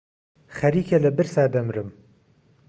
خەریکە لە برسا دەمرم.